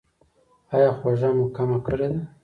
ایا خوږه مو کمه کړې ده؟